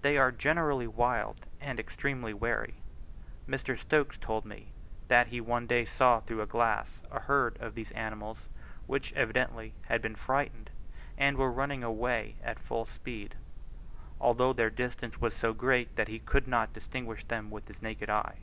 They are generally wild and extremely wary. Mr. Stokes told me, that he one day saw through a glass a herd of these animals which evidently had been frightened, and were running away at full speed, although their distance was so great that he could not distinguish them with his naked eye.